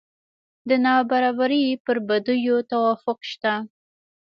د نابرابرۍ پر بدیو توافق شته.